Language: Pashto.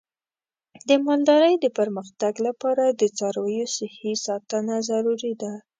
د مالدارۍ د پرمختګ لپاره د څارویو صحي ساتنه ضروري ده.